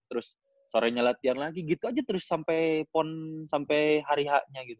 terus sorenya latihan lagi gitu aja terus sampai pon sampai hari h nya gitu